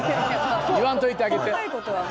いわんといてあげて。